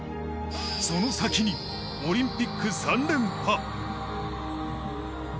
その先にオリンピック３連覇。